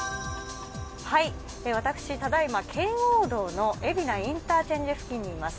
私、ただいま、圏央道の海老名インターチェンジ付近にいます。